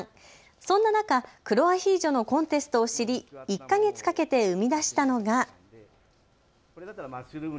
そんな中、黒アヒージョのコンテストを知り１か月かけて生み出したのが。